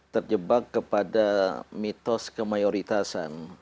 terjebak kepada mitos kemayoritasan